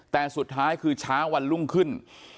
แต่สุดท้ายคือเช้าวันรุ่งขึ้น